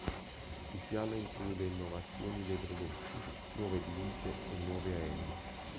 Il piano include innovazioni dei prodotti, nuove divise e nuovi aerei.